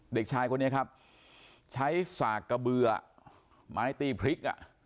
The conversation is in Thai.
เด็กชายคนนี้ครับใช้สากกระเบือไม้ตีพริกอ่ะ